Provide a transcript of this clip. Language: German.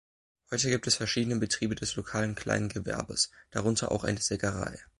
Heute gibt es verschiedene Betriebe des lokalen Kleingewerbes, darunter auch eine Sägerei.